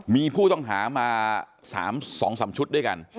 มีผู้ต้องหามา๒๓ชุดด้วยกัน